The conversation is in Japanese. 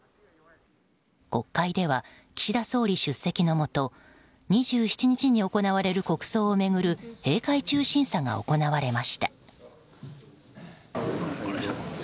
国会では岸田総理出席のもと２７日に行われる国葬を巡る閉会中審査が行われました。